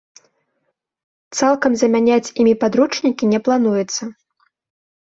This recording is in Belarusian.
Цалкам замяняць імі падручнікі не плануецца.